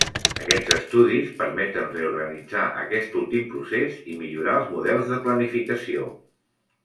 Aquests estudis permeten reorganitzar aquest últim procés i millorar els models de planificació.